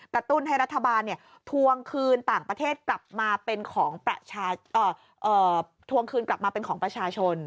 กระตุ้นให้รัฐบาลเนี่ยทวงคืนต่างประเทศกลับมาเป็นของประชาชน